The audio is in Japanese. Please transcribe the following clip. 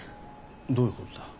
どういうことだ？